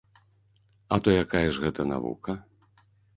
А то якая ж гэта навука?